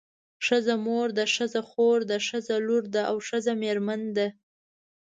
ښځه مور ده ښځه خور ده ښځه لور ده او ښځه میرمن ده.